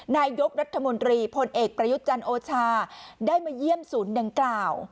นายกรัฐมนตรีพลเอกประยุทธ์จันทร์โอชาได้มาเยี่ยมศูนย์ดังกล่าว